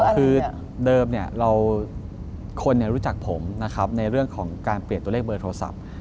คือเดิมคนรู้จักผมนะครับในเรื่องของการเปลี่ยนตัวเลขเบอร์โทรศัพท์